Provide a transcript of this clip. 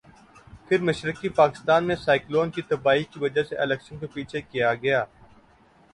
پھر مشرقی پاکستان میں سائیکلون کی تباہی کی وجہ سے الیکشن کو پیچھے کیا گیا۔